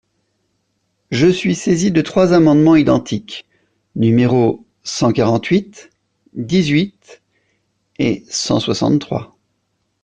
Je suis saisie de trois amendements identiques, numéros cent quarante-huit, dix-huit et cent soixante-trois.